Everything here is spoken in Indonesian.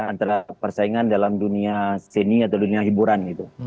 antara persaingan dalam dunia seni atau dunia hiburan gitu